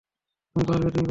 তুমি পারবে, তুমি পারবে।